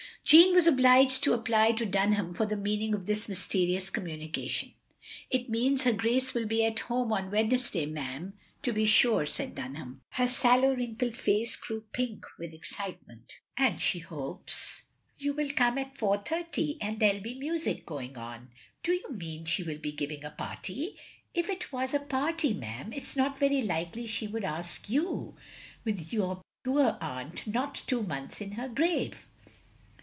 Jeanne was obliged to apply to Dunham for the meaning of this mysterious commtinication. "It means her Grace will be at home on Wednesday, ma'am, to be sure," said Dtmham — her sallow wrinkled face grew quite pink with OP GROSVENOR SQUARE i6i excitement — "and she hopes you will come at 4.30, and there '11 be music going on. " "Do you mean she will be giving a party?" " If it was a party, ma'am, it 's not very likely she Would ask you, with your poor aunt not two months in her grave."